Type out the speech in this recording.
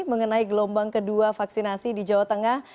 mengenai gelombang kedua vaksinasi di jawa tengah